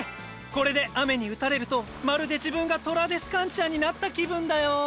これで雨に打たれるとまるで自分がトラデスカンチアになった気分だよ。